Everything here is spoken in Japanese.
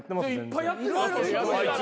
いっぱいやってる。